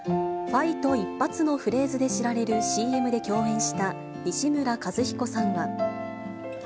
ファイト一発のフレーズで知られるＣＭで共演した西村和彦さんは。